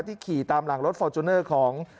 ขี่ตามหลังรถฟอร์จูเนอร์ของ